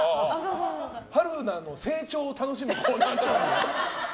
春菜の成長を楽しむコーナーになってる。